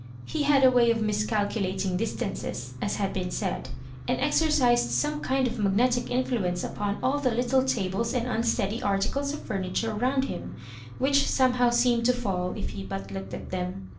He had a way of miscalculating distances, as has been said, and exercised some kind of magnetic influence upon all the little tables and unsteady articles of fur niture round him, which somehow seemed to fall if he but looked at them.